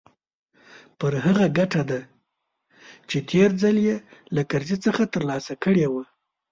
پر هغه ګټه ده چې تېر ځل يې له کرزي څخه ترلاسه کړې وه.